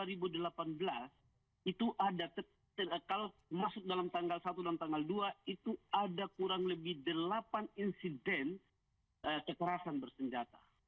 itu ada kalau masuk dalam tanggal satu dan tanggal dua itu ada kurang lebih delapan insiden kekerasan bersenjata